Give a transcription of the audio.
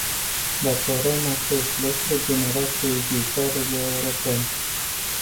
Datorăm acest lucru generației viitoare de europeni.